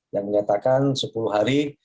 yang menyatakan sepuluh hari